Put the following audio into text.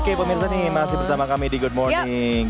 oke pemirsa nih masih bersama kami di good morning